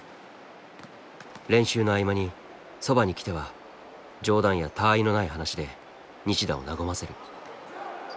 練習の合間にそばに来ては冗談やたあいのない話で西田を和ませる。